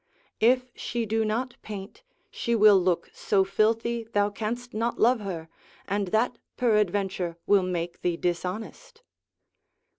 If she do not paint, she will look so filthy, thou canst not love her, and that peradventure will make thee dishonest.